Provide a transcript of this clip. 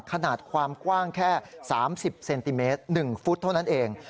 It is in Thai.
ขนาดความกว้างแค่๓๐เซนติเมตร๑ฟุตเท่านั้นเอง